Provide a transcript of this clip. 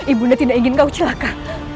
ibunda tidak ingin kau celaka